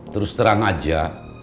terus terang saja